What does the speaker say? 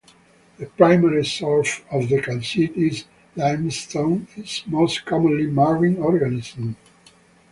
The primary source of the calcite in limestone is most commonly marine organisms.